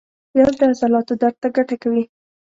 پیاز د عضلاتو درد ته ګټه کوي